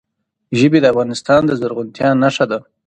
ژبې د افغانستان د زرغونتیا نښه ده.